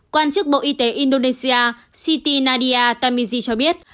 quan chức bộ y tế indonesia siti nadia tamizi cho biết